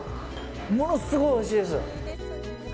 ものすごいおいしいです。